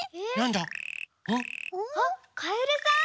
あっかえるさん？